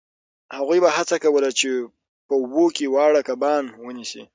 هغوی به هڅه کوله چې په اوبو کې واړه کبان ونیسي